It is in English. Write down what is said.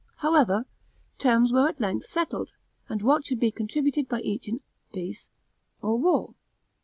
However, terms were at length settled, and what should be contributed by each in peace or war.